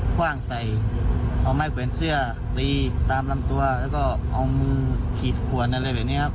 คว่างใส่เอาไม้แขวนเสื้อตีตามลำตัวแล้วก็เอามือขีดขวนอะไรแบบนี้ครับ